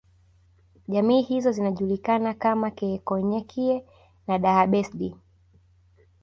Jamii hizo zinajulikana kama Keekonyokie na Daha Besdi